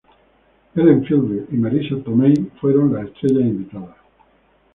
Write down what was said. Helen Fielding y Marisa Tomei fueron las estrellas invitadas.